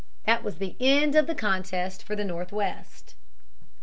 That was the end of the contest for the Northwest.